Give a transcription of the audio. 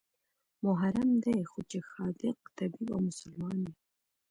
محرم دى خو چې حاذق طبيب او مسلمان وي.